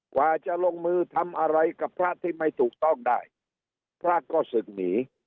กว่าจะลงมือทำอะไรกับพระที่ไม่ถูกต้องได้พระก็ศึกหนี